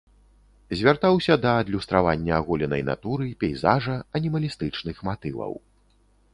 Звяртаўся да адлюстравання аголенай натуры, пейзажа, анімалістычных матываў.